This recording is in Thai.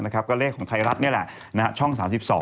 ก็เลขของไทยรัฐนี่แหละช่อง๓๒